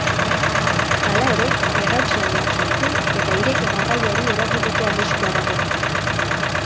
Hala ere, errauts lainoak sortu eta aireko garraioari eragiteko arriskua dago.